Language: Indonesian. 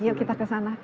iya kita kesana